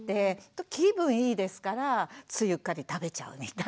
と気分いいですからついうっかり食べちゃうみたいな。